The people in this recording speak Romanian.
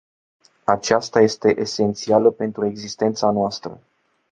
Aceasta este esențială pentru existența noastră.